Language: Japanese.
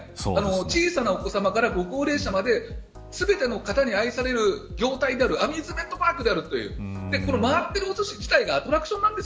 小さなお子さまからご高齢者まで全ての方に愛される業態であるアミューズメントパークであるという回っていること自体がアトラクションなんです。